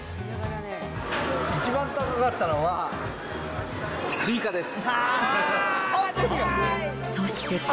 一番高かったのは、スイカです。